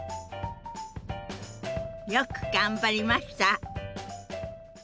よく頑張りました！